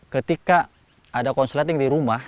ketika ada konsleting di rumah